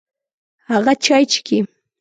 هغه چای چیکي.